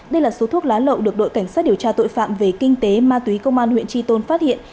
đây là số thuốc lá lậu được đội cảnh sát điều tra tội phạm về kinh tế ma túy công an huyện tri tôn phát hiện